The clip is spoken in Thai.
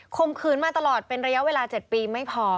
มขืนมาตลอดเป็นระยะเวลา๗ปีไม่พอ